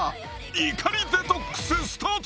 怒りデトックススタート